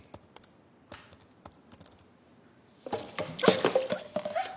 あっ！